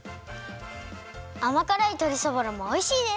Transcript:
あまからいとりそぼろもおいしいです！